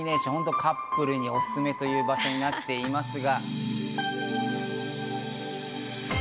カップルにオススメという場所になっていますが。